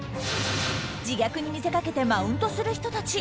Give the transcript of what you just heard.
自虐に見せかけてマウントする人たち。